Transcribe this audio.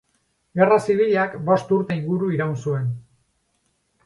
Gerra zibilak bost urte inguru iraun zuen.